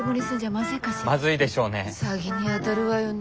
まずいでしょうね。